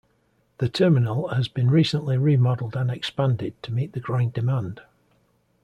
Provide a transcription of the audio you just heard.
The terminal has been recently remodeled and expanded to meet the growing demand.